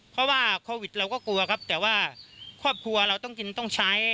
เพราะว่าโควิดเราก็กลัวครับแต่ว่าครอบครัวเราต้องกินต้องใช้